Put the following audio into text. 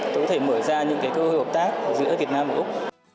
tôi có thể mở ra những cái cơ hội hợp tác giữa việt nam và úc